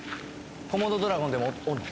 コモドドラゴンでもおんの？